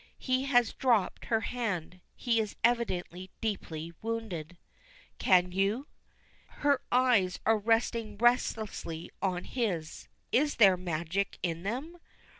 He has dropped her hand; he is evidently deeply wounded. "Can you?" Her eyes are resting relentlessly on his. Is there magic in them?